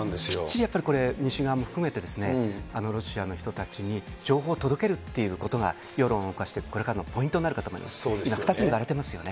きっちりやっぱりこれ、西側も含めて、ロシアの人たちに情報を届けるっていうことが世論を動かしていく、これからのポイントになるかと思います。